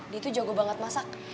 dia tuh jago banget masak